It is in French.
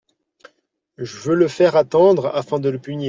Je veux le faire attendre afin de le punir…